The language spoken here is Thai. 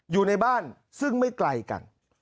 อยู่ในบ้านซึ่งไม่ไกลกัน